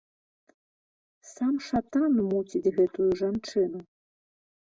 Сам шатан муціць гэтую жанчыну.